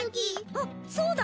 あっそうだ！